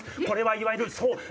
これはいわゆる。